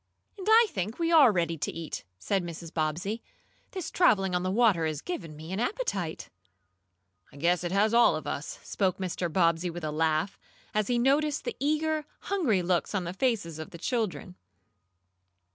"And I think we are ready to eat," said Mrs. Bobbsey. "This traveling on the water has given me an appetite." "I guess it has all of us," spoke Mr. Bobbsey with a laugh, as he noticed the eager, hungry looks on the faces of the children.